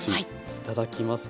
いただきます！